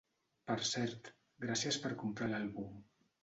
Per cert, gràcies per comprar l'àlbum.